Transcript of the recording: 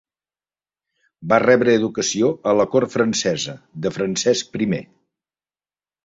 Va rebre educació a la cort francesa de Francesc I.